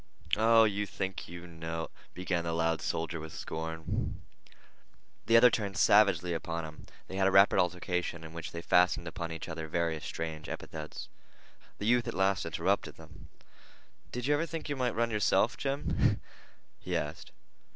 "Oh, you think you know—" began the loud soldier with scorn. The other turned savagely upon him. They had a rapid altercation, in which they fastened upon each other various strange epithets. The youth at last interrupted them. "Did you ever think you might run yourself, Jim?" he asked.